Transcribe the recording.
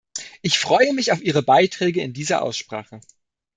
Ich freue mich auf Ihre Beiträge in dieser Aussprache.